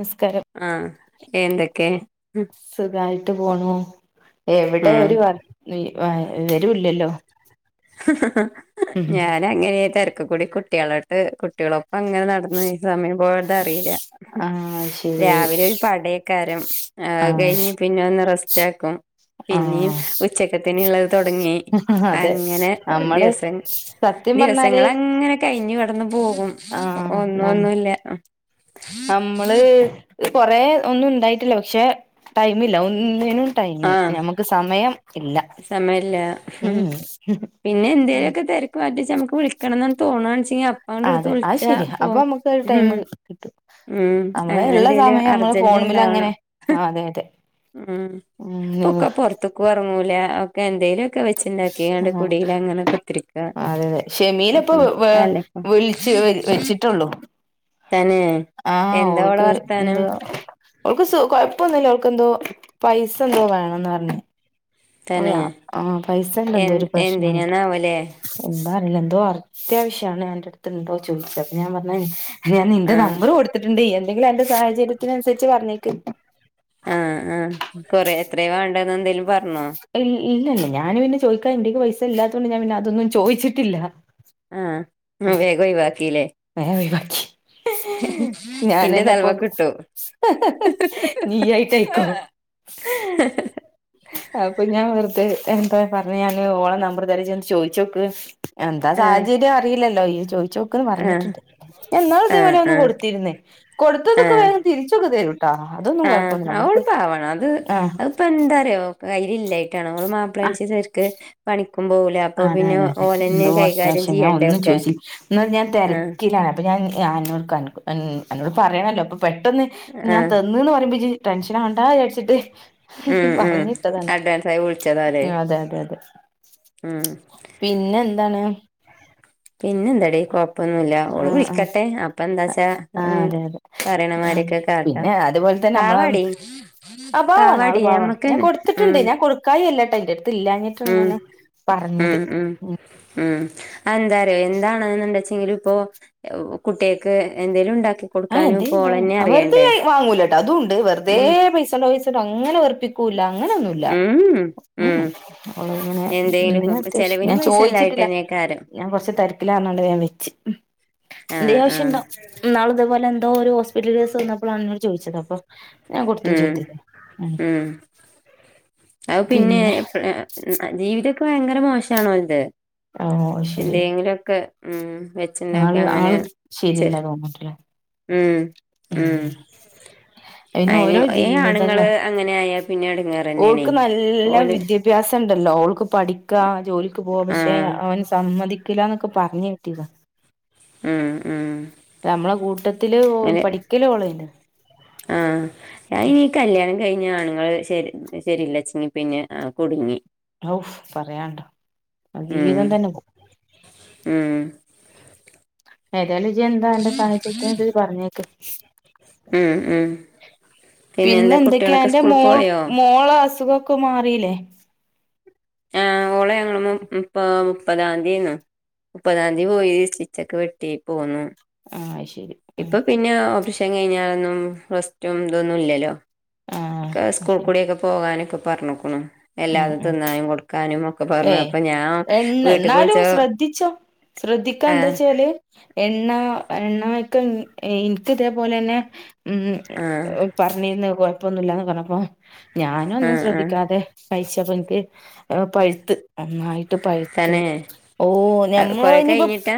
നിസ്കാരം. ആഹ് എന്തൊക്കെ സുഖായിട്ട് പോണു എവിടെ ഉം ഒരു വർ. വി വ വിവരൂല്ലല്ലോ. ഞാന അങ്ങനെ തിരക്ക കൂടി കുട്ട്യാളോട്ട് കുട്ട്യാളൊപ്പം അങ്ങനെ നട സമയം പോയത് അറില ആഹ് ശരി രാവിലെ. പടേക്കാരം ആഹ് കഴിഞ്ഞ് പിന്നെ ഒന്ന് റസ്റ്റ് ഏക്കും പിന്നിം. ആഹ് ഉച്ചക്കത്തിന് ഉള്ളത് തൊടങ്ങി. അതെ ങ്ങനെ നമ്മള് ദിവസ സത്യം പറഞ്ഞാല് ദിവസങ്ങളങ്ങനെ കഴിഞ്ഞു. ഒന്നും പോകും ആഹ് ഒന്നും നം ഒന്നുല്ല. നമ്മള് കൊറേ ഒന്നും ഉണ്ടായിട്ടില്ല പക്ഷെ ടൈമില്ല ഒന്നിനും. ടൈമ് ആഹ് നമക്ക് സമയം ഇല്ല സമയമില്ല ഉമ് പറ്റി ചാ നമക്ക് വിളിക്കണം ന്ന് ഇന്ന് തോന്നാണെച്ചിയ അതെ അത് ശരിയാ അപ്പൊ നമുക്ക് ഒരു ടൈം ഉം കിട്ടും ഉം നമ്മള് അങ്ങനെ ഉള്ള എന്തേലും സമയം നമ്മള്. അർജന്റ് ഫോണ് മലങ്ങനെ അങ്ങനെ ആ അതെ അതെ. ഉമ് ഉം പ്പൊക്കെ പൊറത്ക്കും ഇറങ്ങൂല ഒക്കെ എന്തേലു ഒക്കെ വെച്ചിണ്ട കിയാണ്ട് ആഹ് കുടീല അങ്ങനെക്കെ കുത്തിരിക്ക അതെ അതെ ഷെമിയില ഇപ്പൊ ഉം അല്ലപ്പം വിൾച്ച് വെച്ചിട്ടുള്ളൂ. തന്നെ ആഹ് എന്താ ഓളെ ഓൾക്ക് വർത്താനം എന്താ. ഓക്ക് കൊഴപ്പന്നുല്ല ഓക്ക് ന്തോ പൈസ എന്തോ വേണം ന്ന് പറഞ്. ഒ തന്നെ യാ ആഹ് പൈസേന്റെ എ എന്തോ ഒരു പ്രശ്നണ്ട്. എന്തിനാന്നാവോലേ എന്താ അറിയൂല എന്തോ അത്യാവശ്യണ് അന്റെ അടുത്ത് ണ്ടോ ചോദിച്ചത് അപ്പ ഞാൻ പറഞ്. ഞാൻ നിന്റെ ആഹ് നമ്പർ കൊടുത്തിട്ടുണ്ട് എന്തെങ്കിലും അന്റെ സാഹചര്യത്തിനുസരിച്ച് പറഞ്ഞേക്ക്. ആഹ് ആഹ് കൊറെ എത്രയ വാണ്ടത് എന്തേലും പറഞ്ഞോ? ഇല്ലല്ല ഞാനൻ പിന്നെ ചോദിക്കാൻ എന്റെ ക്ക് പൈസ ഇല്ലാത്തത് കൊണ്ട് ഞാൻ പിന്നെ അതൊന്നും ചോദിച്ചിട്ടില്ല. ആഹ് വേഗം ഒയിവാക്കി ല്ലേ. വേ ഒയിവാക്കി. ഇന്റെ ഞനെന്നെ പോ തലമക്കിട്ടു നീ ആയിട്ടയിക്കോ. ഹേ. അപ്പൊ ഞാൻ വെറുതെ എന്താ പറഞ്ഞ ഞാന് ഓളെ നമ്പർ തരാ ഇജോന്ന് ചോയിച്ചോക്ക്. എന്താ ആഹ് സാഹചര്യം അറിയില്ലല്ലോ ഈയ് ചോയിചോക്ന്ന് ആഹ് പറഞ്ഞിട്ട്ണ്ട്. ഇന്നാൾ ഇതേ ആഹ് പോലെ ഒന്ന് ആഹ് കൊടുത്തിരുന് കൊടുത്തതൊക്കെ ആഹ് വേഗം തിരിച്ചൊക്കെ തരും. ട്ടോ അത്. ആഹ് ഓള് രു പ്പാവാണ് അത് അത് ഇപ്പ എന്താ പറയോ കൈ ഇല്ലായിട്ടാണ് ഓളെ ആഹ് മാപ്പിളേണങ്കി ചേരിക്ക് പണി അതെ അതെ അതെ എന്തോ കൈകാര്യം അത്യാവശ്യം ചെയ്യണ്ടേ എന്നും ഒക്കെ ചോയികും എന്ന ഞാൻ ആഹ് തെരക്കിലാണ്. അപ്പൊ ഞാൻ അന്നോട് പറയണല്ലോ അപ്പൊ പെട്ടെന്ന് ഞാൻ ആഹ് തി ഒന്ന് പറയുമ്പോ ടെൻഷനാവണ്ട വിചാരിച്ചിട്ട്. ഉം ഉം പറഞ്ഞിട്ടതാണ് അഡ്വാൻസായി അതെ അതെ അതെ. ആഹ് പിന്നെ എന്താണ്. പിന്നെ എന്താടി കൊ പ്പൊന്നുല്ല ഓള് ആഹ് ആഹ് വിളിക്കട്ടെ അപ്പ എന്താ വച്ചാ ആഹ് ഉമ് അതെ അതെ ആഹ് പറയണമാരൊക്കെ. ട്ടട്ടാ പിന്നെ അതുപോലെ തന്നെ നമ്മള പാവാടി ആ പാവാടി അമ്മക്കനെ ഉമ് കായി അല്ലാട്ട അന്റെ അടുത്ത് ഇല്ലഞ്ഞിട്ടാണ് ങ്ങനെ പറഞ്ഞത്. ഉം ഉമ് അതെ എന്താറിയോ എന്താണണ്ടച്ചെങ്കും ഇപ്പോ. കുട്ട്യാക്ക് എന്തേലും ഉണ്ടാക്കി. കൊടുക്കാനും ഇപ്പോ ആഹ്എന്തേലും ഉണ്ടാവും ഓളന്നെ വെറുതെ അറിയണ്ടേ വാങ്ങൂലട്ട അതും ഉണ്ട് വെറുതെ ഉം പൈസണ്ടോ പൈസണ്ടോ അങ്ങനെ വെറുപ്പിക്കു കൂല അങ്ങനെന്നുല്ല ഉം ഉം ഉമ് ഓള് അങ്ങനെ എന്തെങ്കിലും എന്തെലും ഇപ്പം അത്യാവശ്യം ചെലവിന് ഞാൻ പൈസ ചോദിച്ചിട്ടില്ല. ഇല്ലായിട്ടന്നെക്കാരം ഞാൻ കൊറച്ച് തരിക്കിലാഞ്ഞണ്ട് ഞാൻ വെച്ച്. ആഹ് ആഹ് ഇന്നാള ഇതുപോലെ എന്തോ ഒരു ഹോസ്പിറ്റലസ് വന്നപ്പോഴാണ്ങ്ങള് ചോദിച്ചത് അപ്പൊ. ഞാൻ കൊടുത്തും ഉം ചെയ്തിക്ണ്. അഹ് പിന്നെ ജീവിതക്കെ ഭയങ്കര മോശണ് ഓല് തെ ആഹ് അത് ശരി എന്തെങ്കിലും ഒക്കെ ഉം വ ച്ച്ണ്ടാക്കാ ആള് അങ്ങനെ ആള് ചെൽ ശരിയല്ല തോന്നിട്ടില്ലേ ഉം ഉം അയിന് ഓരോ ഏഹ് ആണ്ങ്ങള് ജീവിതങ്ങൾ അങ്ങനെ ആയ പിന്നെ എടങ്ങേറെന്നെണേ ഓല് ഭ്യാസംണ്ടല്ലോ ഓൾക്ക് പഠിക്ക ജോലിക്ക് പോവാ പക്ഷെ ആഹ് അവൻ സമ്മതി ക്കിലാന്നൊക്കെ പർഞ് കേട്ടീന്ന് ഉം ഉം നമ്മളെ കൂട്ടത്തില് അതെ പഠിക്കല് ഓളേനു ആഹ് അയീ കല്യാണം കഴിഞ്ഞ ആണുങ്ങള് ശരി ശെരില്ലച്ചെങ്കി പിന്നെ കുടുങ്ങി. ഔഫ് പറയാൻണ്ടോ അ ഉം ജീവിതം തന്നെ പോവും ഉം ഏതായാലും ജി എന്താ അന്റെ സാഹചര്യത്തിനൻസരിച്ച് പറഞ്ഞേക്ക്‌ ഉം ഉം പിന്നെ പിന്നെന്താ എന്തൊക്കയാ കുട്ടികളൊക്കെ അന്റെ സ്കൂളിൽ മോൾ പോയോ മോള അസുഖക് പ്പൊ മാറീലെ? ആഹ് ഓളെ ഞങ്ങള് മു മുപ്പാ മുപ്പതാംതിയേന്നു മുപ്പതാം തി പോയി സ്റ്റിച്ചൊക്കെ വെട്ടി പോന്നു. ആഹ് അയ് ശരി. ഇപ്പൊ ആഹ് പിന്നെ ഓപ്പറേഷൻ കഴിഞ്ഞാലൊന്നും റസ്റ്റും ഇതൊന്നുംല്ലല്ലോ ആഹ് ക്കെ അത് സ്കൂൾ ശരി കൂടെക്കെ പോവാനൊക്കെ പർഞ്ഞുക്കുണു. ഉം എല്ലാതും ഉം തിന്നാനും കൊടുക്കാനും ഒക്കെ പർഞ്ഞ് അപ്പൊ ഞാൻ വീട്ട്ക്ക്‌ വിൾച്ചാ വിച്ചോ ശ്രദ്ധിക്കാന്തച്ചാല് എണ്ണ എണ്ണമെയ്ക്ക്‌ ഇൻക്ക് ഇതേപോലെന്നെ ഉം ആഹ് എ പറഞ്ഞിര്ന്ന് കൊഴപ്പൊന്നുല്ലാന്ന് പറഞ്ഞപ്പോ ഞാനും ഒന്നും ആഹ് ആഹ് ശ്രദ്ധിക്കാതെ കഴിച്ചപ്പൻക്ക് അത് പഴ്ത്ത് നന്നായിട്ട് പഴുത്ത് തന്നെ ഓഹ് ഞമ്മൾ കൊറെ ഇനി പ്പം കഴിഞ്ഞിട്ടാ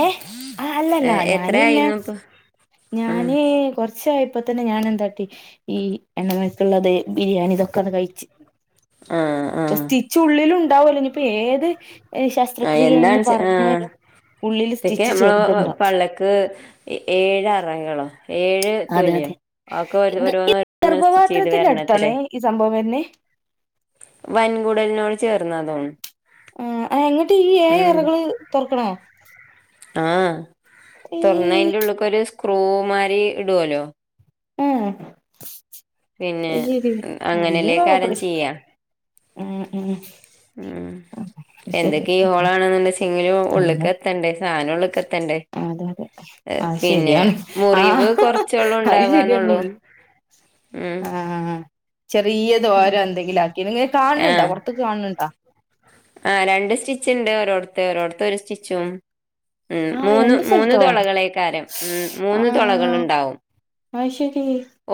ഏഹ് ആഹ് അല്ലല്ല ഞാന് പിന്നെ എത്രയായിരുന്നു ഇപ്പൊ ഉം ഞാന് കൊർ ച്ചായപ്പ തന്നെ ഞാൻ എന്താക്കി ഈ എണ്ണമെയ്ക്ള്ളത് ബിരിയാണി ഇതൊക്കാണ്ട് കഴിച്ച് ആഹ് ആഹ് സ്റ്റിച്ച് ഉള്ളിലും ഉണ്ടാവല്ലോ ഇനിപ്പ ഏത് ഈ ആ ശസ്ത്രക്രി യേണ്ന്ന് എന്താണ് ചെ ആഹ് പറഞ്ഞാലും ഉള്ളില് സ്റ്റിച്ച് ചെറുത്ണ്ടാവും ടക്ക് ഏഴ് അറകളോ ഏഴ് അതെ എത്തൂല്യോ അതെ അ ഒക്കെ ഓരോ ഇത് ഓരോന്ന് ഇങ്ങനെ സ്റ്റിച്ച്യ്ത് ഗർഭപാത്രത്തിന്റെ വരണത്രേ അടുത്താണ് ഈ സംഭവം വരുന്നേ വൻകൂടലിനോട് ചേർന്ന തോന്ന്ണ് ആഹ് എങ്ങട്ട് ഈ ഏഴ് അറകള് തൊർക്കണോ ആഹ് ഏ തൊർന്ന് അയ്ന്റെ ഉള്ള്ക്ക്‌ ഒരു സ്ക്രൂ മായ്രി ഇടുവോല്ലോ ആഹ് പിന്നെ അയ് ശെരി അല്ലെ പ്പ അങ്ങനെല്ലേക്കാരം ഓപ്പറേഷ് ചെയ്യാ ആഹ് ആഹ് ഉം എന്തൊക്കെ ഈ ഹോളാണെന്ന് ണ്ട്ചെങ്കിലും ഉള്ള്ക്കെ നമ്മള് ത്തണ്ടേ സാനം ഉള്ള്ക്ക്‌ എത്തണ്ടേ. അതെ അതെ ഏഹ് അത് പിന്നെ ശരിയാണ് ആ മുറിവ് കൊർച്ചൊള്ളൂ അത് ശരിയാണ് ഉണ്ടാവാന്നൊള്ളു ഉള്ള് ഉം ആ ചെറിയ ദ്വാരം എന്തെങ്കിലും ആക്കിണ് ഇങ്ങക്ക്‌ കാണ് ണ്ടോ ആഹ് പൊർത്ത്ക്ക്‌ കാണ് ണ്ടോ ആഹ് രണ്ട് സ്റ്റിച്ച്ണ്ട് ഒരോട്ത്ത് ഓരോട്ത്ത് ഒരു സ്റ്റിച്ചും ഉം ആ മൂന്ന് രണ്ട് മൂന്ന് സ്ഥലത്തോ തുളകളൈക്കാരം ഉം മൂന്ന് തുളകള്ണ്ടാവും അയ്ശരി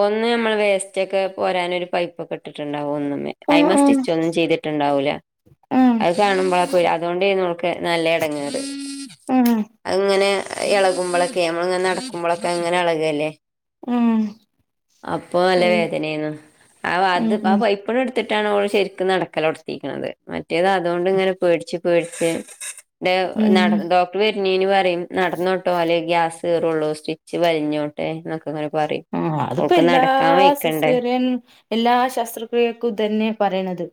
ഒന്ന് നമ്മള് വേസ്റ്റ്ക്കെ പോരാനൊര് പൈപ്പൊക്കെ ഇട്ടിട്ടുണ്ടാവും ഒന്ന് മെ ആഹ് അയ്മേ ആഹ് സ്റ്റിച്ച് ഒന്നും ചെയ്തിട്ടുണ്ടാവൂല ആഹ് അത് കാണുമ്പളാ പോ അതോണ്ടേന്നു ഓൾക്ക് നല്ല എടങ്ങേറ്. ആഹ് അഹ്ങ്ങനെ എളകുമ്പളൊക്കെ നമ്മളിങ്ങനെ നടക്കുമ്പളൊക്കെ ഇങ്ങനെ എളകല്ലേ ആഹ് അപ്പൊ നല്ല ശരി വേദനയ്ന്നു ആ ഉം ബാത്ത് ഉം ഇപ്പഴെടുത്തിട്ടാണവള് ശരിക്കും നടക്കലർത്തിക്കുന്നത്ത് മറ്റേതതുകൊണ്ടിങ്ങനെ പേടിച്ചു പേടിച്ചെ ഡേ ഉം ഡോ ട്ടു വരുന്നേന് പറയും നടന്നോട്ടോ അല്ലേ ഗ്യാസ് കേറുള്ളൂ സ്റ്റിച്ചു വലിഞ്ഞോട്ടു ങ്ങനെ പറ [unintelligible] ആഹ് അതിപ്പ എല്ലാ സിസേറിയൻ എല്ലാ ശാസ്ത്രക്രിയക്കും ഇതന്നെയാ പറയുന്നത്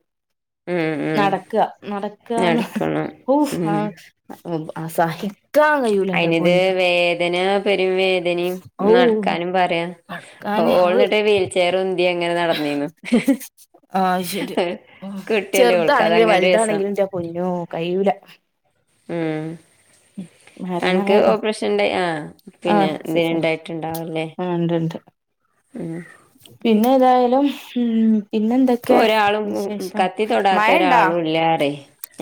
ഉം ഉം നടക്കുക നടക്കുകാന്നെ നടക്കണം ഓഹ് ഉം ആഹ് സഹിക്കാം യു അയിനിതെ വേദന പെരും വേദനയും ഔ നടക്കാനും പറയാ നടക്കാന് നമ്മള് ഓൾന്നിട്ട് വീൽചെയർ ഉന്തി അങ്ങനെ നടന്നേനു ആഹ് ശരി ഓഹ് ഓൾക്ക് ചെറുതാണെങ്കിലും അതങ്ങനെ ഒരു രസം വലുതാണെങ്കിലും ന്റെ പൊന്നോ കയൂല്ല ഉം ആൾക്കു മരണവേദന ഓപ്പറേഷന്റെ ആഹ് പിന്നെ ആഹ് സിസേറിയൻ ഇതിനുണ്ടായിട്ടുണ്ടാവല്ലേ ആഹ് ഉം പിന്നേതായാലും ഉം പിന്നെന്താ ഇപ്പൊരാളും ഉം ഉം കത്തി തൊടാ ത്തൊരാളും ഇല്ലാടേ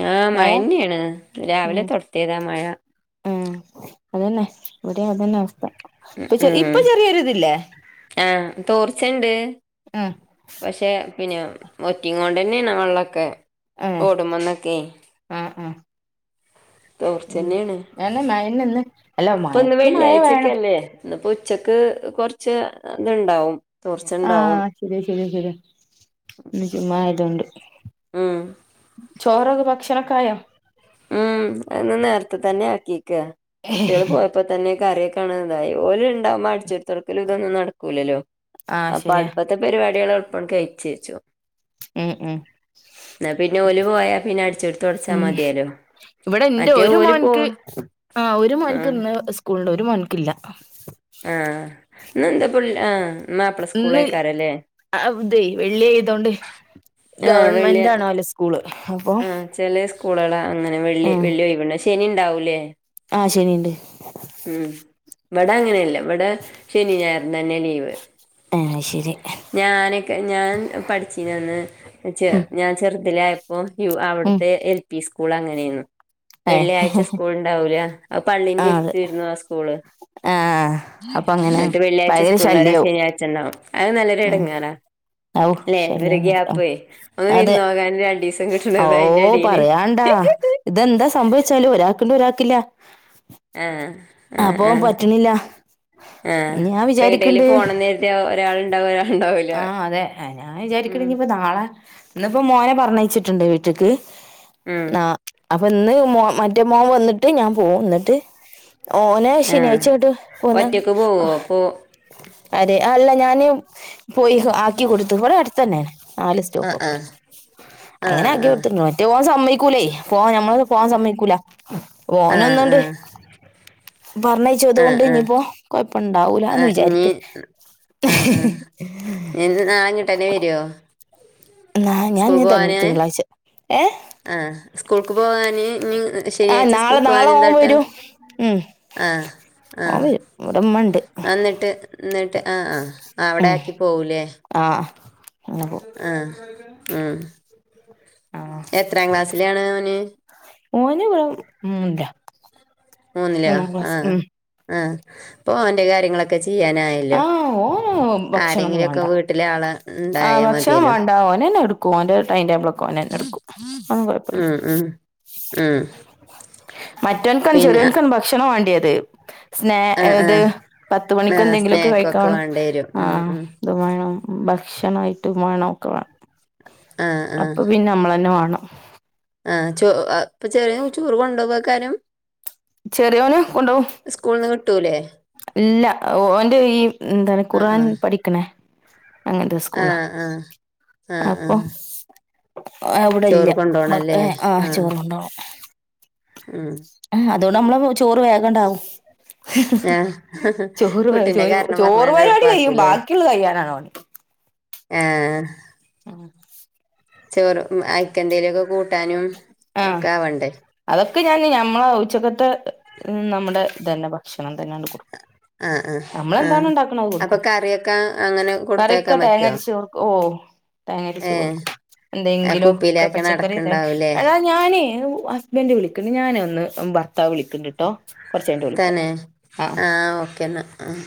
ആഹ് മഴ മയന്നെയാണ് ഉം രാവിലെ തൊ ടത്തിയതാ മഴ ഉം അതന്നെ ഇവിടെ അതന്നെ അവസ്ഥ ഇപ്പ ചെ ഇപ്പൊ ഉം ചെറിയൊരിതില്ലേ ആഹ് തോർച്ചേണ്ട് ആഹ് പക്ഷെ പിന്നെ വറ്റിങ്ങ്ൽഡന്നായ വള്ളൊക്കെ ആഹ് ഓടുമ്പോന്നൊക്കെ ആഹ് ആഹ് ഉം തോർച്ചന്നെയാണ് അതന്നെ മഴന്നെ ഇന്ന് അല്ല പൊന്ന് മഴക്ക് മഴ വേണം വെള്ളിയാഴ്ച്ചയ്ക്കല്ലേ ഇന്നിപ്പം ഉച്ചക്ക് കുറച്ച് ഇതുണ്ടാവും ആഹ് ശരിയാ ശരിയാ ശരിയാ ഇന്ന് ചുമാതൊണ്ട് ഉം ചോറൊക്കെ ഭക്ഷണോക്കായോ ഉം അന്നിനേരത്തെ തന്നെ ആക്കിയേക്ക കുട്ടികള് പോ ഇപ്പത്തന്നെ കരേ കാണേതായി ഓലി ഉണ്ടാവുമ്പ അടിച്ചേത്തുറക്കലും ഇതൊന്നും നടക്കൂലല്ലോ ആഹ് അപ്പ ശരിയാ അടുപ്പത്തക്കയൊരു വടികള് കയിച്ചേച്ചു ഉം ഉം എന്നാ പിന്നെ ഓലു പോയാ പിന്നെ അടിച്ചെടുത്ത് തുടച്ചാ മതിയാലോ ഇവിടെന്റൊരു മോൻക്കെ ആഹ് ഒരു ആഹ് മോൻക്ക് ഇന്ന് സ്കൂളുണ്ടെ ഒരു മോൻക്ക് ഇല്ല ആഹ് ഇന്നെന്താ പുല് ആഹ് മാപ്പിള ഇന്നി സ്കൂളേക്കാരല്ലേ അവുതെ വെള്ളി ആയതോണ്ട് ആഹ് വെള്ളി ഗവൺമെന്റാണെ അലസ് കൂളെ ഹും ആഹ് ചെല സ്കൂളുകളാ അങ്ങനെ വെള്ളി ആഹ് വെള്ളി ഒഴിവേ ശനി ഉണ്ടാവൂലേ ആഹ് ശനീണ്ട് ഉം ഇവിടങ്ങനെയല്ല ഇവിടെ ശനി ഞായറും തന്നെ ലീവെ ആഹ് ശരി ഞാനൊക്കെ ഞാൻ പഠിച്ചീനന്നേ ചെ ഞാൻ ചെറുതിലായ ഓഹ് ഹ്യു ഉം അവിടുത്തെ എൽ പി സ്കൂൾ അങ്ങനെയാണെ ഏഹ് വെള്ളിയാഴ്ച സ്കൂൾ ഉണ്ടാവൂല്ല അഹ് പള്ളീന്റെ ആഹ് അത് ഇരുത്തു വരുന്നതാ സ്കൂളെ ആഹ് അപ്പൊ അങ്ങനെ എന്നിട്ട് വെള്ളിയാഴ്ച ഭയങ്കര സ്കൂളരെ ശല്യാവും ശനിയാഴ്ച്ചുണ്ടാവും അത് നല്ലൊരു ഉം എടങ്ങാരാ ഔ അല്ലെ ഒരു ശല്യാണ് ഉം ഗ്യാപ്പേ ഒന്ന് അതെ വിരുന്നോകാൻ രണ്ടീസം ഓ കിട്ടണതിന്റെ അടി പറയാണ്ടാ ഇതെന്താ സംഭവിച്ചാലും ഒരാകൊണ്ടേ ഒരാക്കില്ല ആഹ് ആഹ് ആഹ് ആഹ് ഞാൻ ഫ്രയിട്ടേലെ വിചാരിക്കണ്ട് പോണന്ന് ഒരാളുണ്ടാവൊ ആഹ് അതെ ഞാൻ വിചാരിക്കണെങ്കി ഇപ്പ നാളെ ഇന്നിപ്പം മോനെ പറഞ്ഞയച്ചിട്ടുണ്ട് വീട്ടക്ക് ഉം നാ അപ്പം ഇന്ന് മാ മറ്റേ മോൻ വന്നിട്ട് ഞാൻ പോവും എന്നിട്ട് ഓനെ ആഹ് ശനിയാഴ്ച തൊട്ട് പോന്നേ ഒറ്റക്ക് പോവോ പോ അതെ അല്ല ഞാനെ പോയി ആക്കി കൊടുത്തു ഇവിടടുത്തന്നെ നാലു ആഹ് ആഹ് സ്റ്റോപ്പപ്പുറത്തെ അങ്ങനെ ആഹ് ആക്കെ കൊടുത്തിട്ടു ആഹ് മറ്റേ പോവാൻ സമ്മക്കൂലേ പോവാ നഞമ്മള പോവാൻ സമ്മക്കൂല ഓന ഒന്നണ്ട് ആഹ് ആഹ് പറഞ്ഞയചതുകൊണ്ട് ഇനിയിപ്പോ ആഹ് കൊഴപ്പം ഇണ്ടാവൂല ആഹ് എന്ന് ആഹ് ഇനി വിചാരിക് ആഹ് ആഹ് [unintelligible] വരുവോ ആ ഞാൻ സ്കൂൾക്ക് പോവാന് [unintelligible] തിങ്കളാഴ്ച ആഹ് സ്കൂൾക്ക് പോകാന് ആ ശനിയാഴ് നാളെ സ്കൂൾക്ക് പോകാന നാളെ ഓൻ എന്താട്ട് വരും ഉം ആഹ് ഓൻ ആഹ് വരും ഇവിടെ ഉമ്മ ഉണ്ട് എന്നിട്ട് എന്നിട്ട് ആ ആ അവിടെ ആക്കി പോവലേ ആഹ് ആഹ് ഉം ആ എത്രാം ക്ലാസ്സിലാണ് അവന് ഓന് [unintelligible] മൂന്നിലോ മൂന്നാം ക്ലാസ് ആഹ് ഉം ആഹ് അപ്പൊ അവന്റെ കാര്യങ്ങളൊക്കെ ചെയ്യാനായല്ലോ. ഓന ഭക്ഷണം ഒന്നും ആരെങ്കിലുമൊക്കെ വേണ്ട വീട്ടിലെ ആള് ആഹ് ഉണ്ടായാൽ ഭക്ഷണം മതിയല്ലോ വേണ്ട ഓനന് എടുക്ക ഓന്റെ ടൈം ടേബിൾ ഒക്കെ ഓന് ന്നെ എടുക്കും അും കുഴപ്പില്ല ഉം ഉം ഉം മറ്റവൻകൻ പിന്നെ ചെറിയ ഒക്കൻ ഭക്ഷണം വേണ്ടിയത് സ്ന ഹ് ആഹ് ഏത് ആഹ് പത്ത് മണിക്ക് ആഹ് എന്തെങ്കിലുമൊക്കെ സ്നേക്കൊക്കെ കഴിക്കണം വേണ്ടി വരും ഉം ആഹ് ഉം അത് വേണം ഭക്ഷണായിട്ട് വേണം ഒക്കെ വേണം ആഹ് ആഹ് അപ്പൊ പിന്നെ നമ്മള തന്നെ വേണം ആഹ് ചോ എഹ് ആഹ് ഇപ്പൊ ചെറിയ ചോറ് കൊണ്ടുപോയി [unintelligible] ചെറിയോന് കൊണ്ടോവും സ്കൂളിൽ നിന്ന് കിട്ടൂല്ലേ ഇല്ല ഓന്റെ ഈ എന്താണ് ആഹ് ഖുറആൻ ആഹ് പഠിക്കണേ അങ്ങനത്തെ സ്കൂള ആ ഹ് ആഹ് അവിടെ ഇല്ല ചോറ് കൊണ്ടോണം ല്ലേ ആ ആഹ് ചോറ് ഉം ആ അതുകൊണ്ട് നമ്മ ചോറ് വേഗണ്ടാവും ആഹ് ചോറ് കുട്ടിന്റെ ചോറ് കാരണം ചോറ് പറഞ്ഞാണ്ട് പരിപാടി കഴും എളുപ്പാക്കൂലേ ബാക്കിയുള്ളത് കഴ്യാനാണ [unintelligible] ഏഹ് ആഹ് ചോറു അഹ് ഐക്കന്തേലൊക്കെ കൂട്ടാനും ആഹ് ഒക്കെ ആവണ്ടേ അതൊക്കെ ഞാൻ ഞമ്മളെ ഉച്ചക്കത്തെ നമ്മുടെ ഇതന്നെ ഭക്ഷണം തന്നെ കൊടുക്കും ആഹ് ആഹ് ആഹ് നമ്മളെന്തണ ഉണ്ടാക്കണ അത് അപ്പൊ കൊടുക്കും കറിയൊക്കെ അങ്ങനെ കറിയക്കെ കൊടുത്തയക്കാൻ പറ്റോ തേങ്ങരച്ച് ഓ [unintelligible] ഓഹ് തേങ്ങച്ച ഏഹ് കൊടുക്കും ആ എന്തെങ്കിലും ഒക്കെ കുപ്പിയിലാക്കിയാണ് പച്ചക്കറി അടക്കുണ്ടാവൂലേ [unintelligible] ഞാനേ ഹസ്ബൻഡറ് വിളിക്കണ്ട് ഞാനേ ഒന്ന് ഭർത്താവ് വിളിക്കണ്ട്ട്ടോ കുറച്ച് കഴിഞ്ഞിട്ട് വിളിക്കാം തന്നെ ആഹ് ഓക്കേ എന്നാ ആഹ്